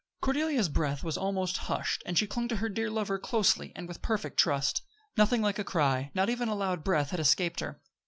Cordelia's breath was almost hushed; and she clung to her dear lover closely and with perfect trust. Nothing like a cry not even a loud breath had escaped her.